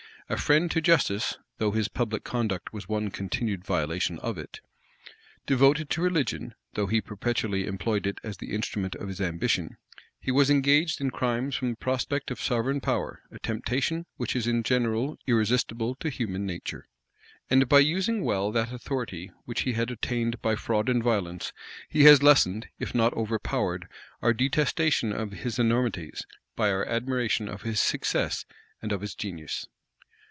A friend to justice, though his public conduct was one continued violation of it; devoted to religion, though he perpetually employed it as the instrument of his ambition; he was engaged in crimes from the prospect of sovereign power, a temptation which is in general irresistible to human nature. And by using well that authority which he had attained by fraud and violence, he has lessened, if not overpowered, our detestation of his enormities, by our admiration of his success and of his genius.